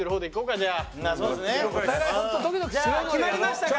じゃあ決まりましたか？